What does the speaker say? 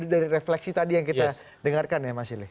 dari refleksi tadi yang kita dengarkan ya mas silih